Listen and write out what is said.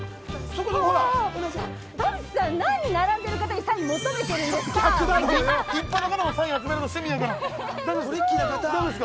田渕さん、何並んでる方にサインを求めているんですか。